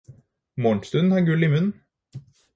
Morgenstund har gull i munn!